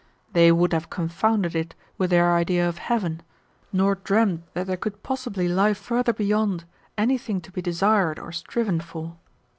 They would have confounded it with their idea of heaven, nor dreamed that there could possibly lie further beyond anything to be desired or striven for.